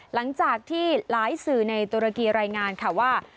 หลังจากที่หลายสื่อในตุรกีรายงานค่ะว่า